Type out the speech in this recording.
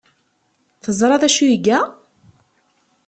Teẓra d acu ay iga?